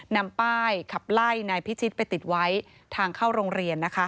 นำป้ายขับไล่นายพิชิตไปติดไว้ทางเข้าโรงเรียนนะคะ